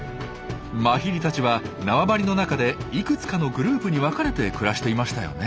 マヒリたちは縄張りの中でいくつかのグループに分かれて暮らしていましたよね？